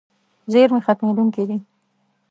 زیرمې ختمېدونکې دي.